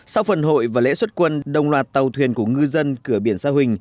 sau phần hội và lễ xuất quân đồng loạt tàu thuyền của ngư dân cửa biển sa huỳnh